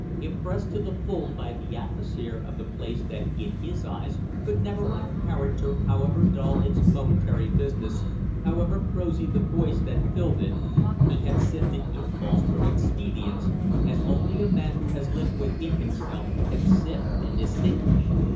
Impressed to the full by the atmosphere of the place that in his eyes could never lack character, however dull its momentary business, however prosy the voice that filled it, he had sifted impulse from expedience, as only a man who has lived within himself can sift and distinguish.